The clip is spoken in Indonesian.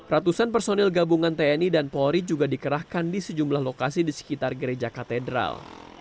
ratusan personil gabungan tni dan polri juga dikerahkan di sejumlah lokasi di sekitar gereja katedral